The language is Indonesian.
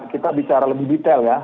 kita bicara lebih detail ya